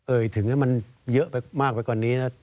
เอ่ยถึงให้มันเยอะมากไปก่อนนี้นะ